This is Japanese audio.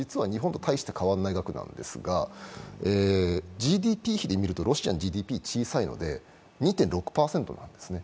実は日本と大して変わらない額なんですが、ＧＤＰ費で見ると、ロシアのＧＤＰは少ないので２．６％なんです。